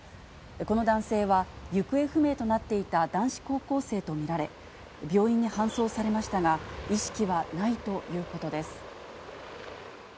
この男性は、行方不明となっていた男子高校生と見られ、病院に搬送されましたが、意識はないということです。